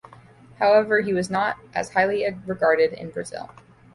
However, he was not as highly regarded in Brazil.